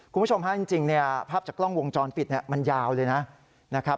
คุณผู้ชมครับจริงภาพจากกล้องวงจรปิดมันยาวเลยนะ